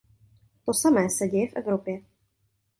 To samé se děje v Evropě.